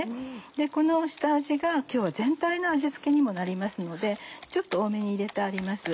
この下味が今日は全体の味付けにもなりますのでちょっと多めに入れてあります。